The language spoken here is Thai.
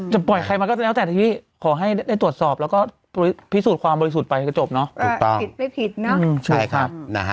ปล่อยใครมาก็แล้วแต่ทีนี้ขอให้ได้ตรวจสอบแล้วก็พิสูจน์ความบริสุทธิ์ไปก็จบเนอะถูกต้องผิดไม่ผิดเนาะ